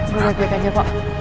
lo baik baik aja pak